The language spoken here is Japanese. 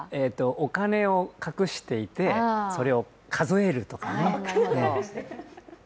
お金を隠していて、それを数えるとか。